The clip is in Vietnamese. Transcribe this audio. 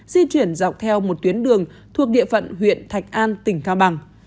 di chuyển dọc theo một tuyến đường thuộc địa phận huyện thạch an tỉnh cao bằng